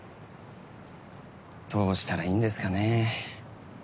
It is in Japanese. どうしたらいいんですかね。